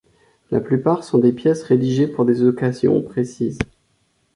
La plupart sont des pièces rédigées pour des occasions précises.